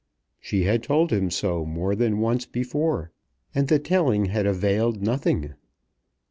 She had told him so more than once before, and the telling had availed nothing.